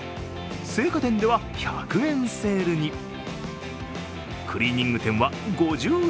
生花店では１００円セールに、クリーニング店は５０円